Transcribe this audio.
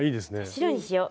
白にしよう。